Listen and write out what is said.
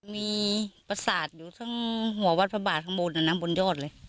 มีประสาทอยู่ทั้งหัววัดพระบาทข้างบนบนยอดเลย